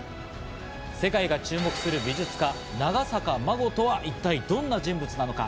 世界が注目する美術家・長坂真護とは一体どんな人物なのか？